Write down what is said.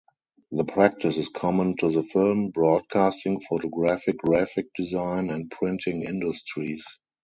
The practice is common to the film, broadcasting, photographic, graphic design and printing industries.